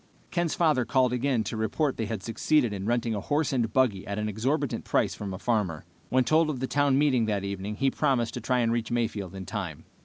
Ken's father called again to report they had succeeded in renting a horse and buggy at an exorbitant price from a farmer. When told of the town meeting that evening, he promised to try to reach Mayfield in time.